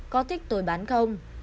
có thích tôi bán không